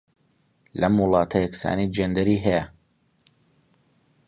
لەم وڵاتە یەکسانیی جێندەری هەیە.